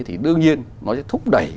thì đương nhiên nó sẽ thúc đẩy